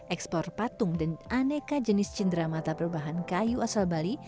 ekspor patung dan aneka jenis cindera mata berbahan kayu asal bali